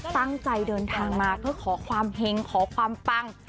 ตั้งใจเดินทางมาเพื่อขอความเห็งขอความปัง